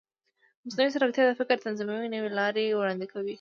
مصنوعي ځیرکتیا د فکر د تنظیم نوې لارې وړاندې کوي.